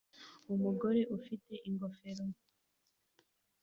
Umugore ufite ingofero